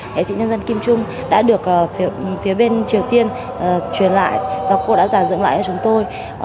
nghệ sĩ nhân dân kim trung đã được phía bên triều tiên truyền lại và cô đã già dựng lại cho chúng tôi